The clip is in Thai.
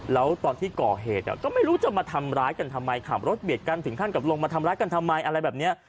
แล้วตอนที่ก่อเหตุก็ไม่รู้จะมาทำร้ายกันทำไมขับรถเบียดกันถึงขั้นกับลงมาทำร้ายกันทำไมอะไรแบบนี้